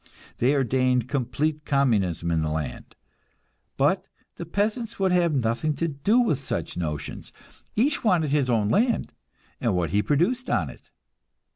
They ordained complete Communism in land; but the peasants would have nothing to do with such notions each wanted his own land, and what he produced on it.